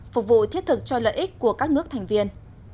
phục vụ thiết thực cho lợi ích của các nước thành viên